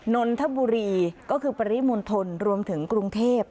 นนทบุรีก็คือปริมณฑลรวมถึงกรุงเทพ